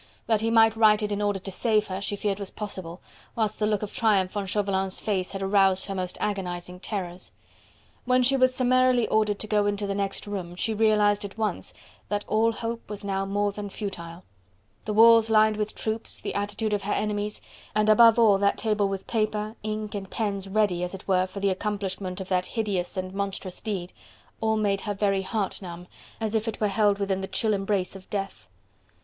That he might write it in order to save her, she feared was possible, whilst the look of triumph on Chauvelin's face had aroused her most agonizing terrors. When she was summarily ordered to go into the next room, she realized at once that all hope now was more than futile. The walls lined with troops, the attitude of her enemies, and above all that table with paper, ink and pens ready as it were for the accomplishment of the hideous and monstrous deed, all made her very heart numb, as if it were held within the chill embrace of death.